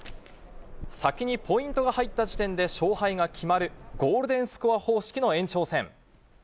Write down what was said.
先にポイントが入った時点で勝敗が決まるゴールデンスコア方式の延長戦。